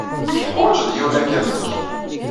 Tuḥwaǧeḍ yiwen akka am nekk.